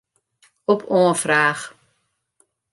Op oanfraach.